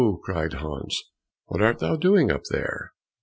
cried Hans, "what art thou doing up there?"